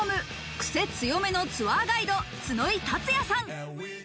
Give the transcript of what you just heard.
くせ強めのツアーガイド、角井竜也さん。